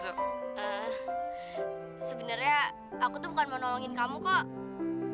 sebenarnya aku tuh bukan mau nolongin kamu kok